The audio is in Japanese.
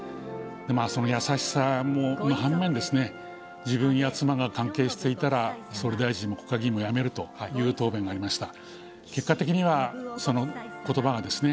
その優しさの反面、自分や妻が関係していたら総理大臣も国会議員も辞めるという答弁がありました。